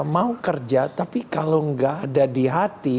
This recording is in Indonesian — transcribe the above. mau kerja tapi kalau nggak ada di hati